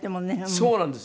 そうなんですよ。